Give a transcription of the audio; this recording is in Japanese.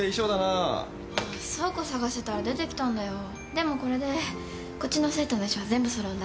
でもこれでこっちの生徒の衣装は全部揃うんだ。